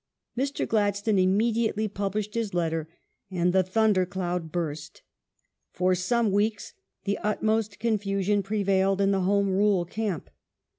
The Par Mr. Gladstone immediately published his letter, and the thunder nelhte cloud burst. For some weeks the utmost confusion prevailed in the Home Rule camp.